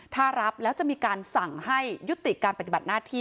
ถ้ารับแล้วจะมีการสั่งให้ยุติการปฏิบัติหน้าที่